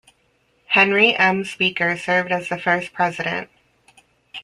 Henry M. Speaker served as the first president.